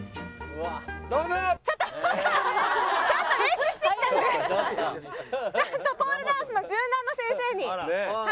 ちゃんとポールダンスの柔軟の先生にはい。